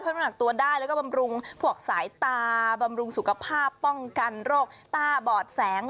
น้ำหนักตัวได้แล้วก็บำรุงพวกสายตาบำรุงสุขภาพป้องกันโรคต้าบอดแสง